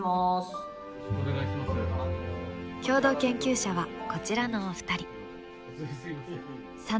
共同研究者はこちらのお二人。